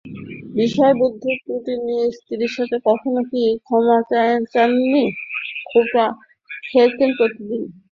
বিষয়বুদ্ধির ত্রুটি নিয়ে স্ত্রীর কাছে কখনো তিনি ক্ষমা পান নি, খোঁটা খেয়েছেন প্রতিদিন।